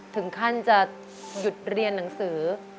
ถึงขั้นจะหยุดเรียนหนังสือ